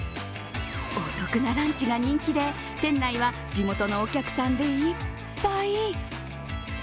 お得なランチが人気で、店内は地元のお客さんでいっぱい。